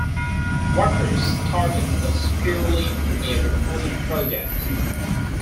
Wipers started as purely a recording project.